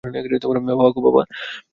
বাবা গো বাবা।